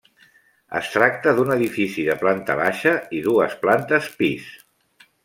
Es tracta d'un edifici de planta baixa i dues plantes pis.